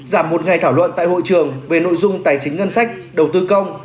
giảm một ngày thảo luận tại hội trường về nội dung tài chính ngân sách đầu tư công